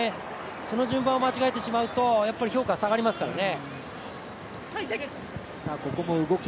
その順番を間違えてしまうと評価は下がりますからね。